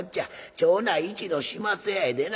町内一の始末屋やでな。